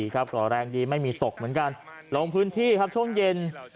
ก็แรงดีไม่มีตกเหมือนกันลงพื้นที่ครับช่วงเย็น